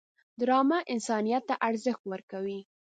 ډرامه انسانیت ته ارزښت ورکوي